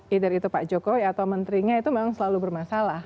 either itu pak jokowi atau menterinya itu memang selalu bermasalah